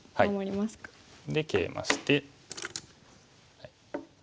でケイマして。